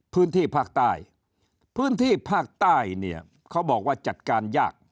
พื้นที่ภาคใต้พื้นที่ภาคใต้เนี่ยเขาบอกว่าจัดการยาก